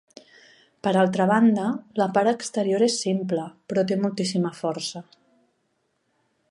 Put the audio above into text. Per altra banda, la part exterior és simple, però té moltíssima força.